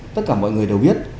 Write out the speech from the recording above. tất cả mọi người đều biết